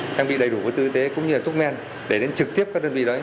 trang bị đầy đủ tư y tế cũng như thuốc men để đến trực tiếp các đơn vị đấy